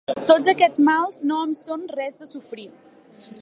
Tots aquests mals no em són res de sofrir.